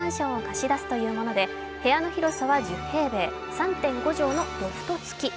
東京・新宿のワンルームマンションを貸し出すということで部屋の広さは１０平米、３．５畳のロフト付き。